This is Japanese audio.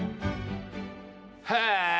へえ！